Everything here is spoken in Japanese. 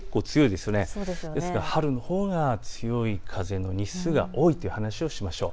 ですが春のほうが強い風の日数が多いという話をしましょう。